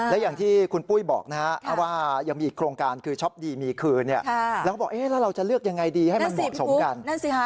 และอย่างที่คุณปุ้ยบอกนะฮะว่ายังมีอีกโครงการคือช็อปดีมีคืนแล้วก็บอกเอ๊ะแล้วเราจะเลือกยังไงดีให้มันเหมาะสมกัน